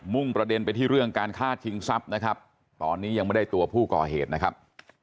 ่งประเด็นไปที่เรื่องการฆ่าชิงทรัพย์นะครับตอนนี้ยังไม่ได้ตัวผู้ก่อเหตุนะครับ